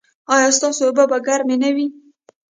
ایا ستاسو اوبه به ګرمې نه وي؟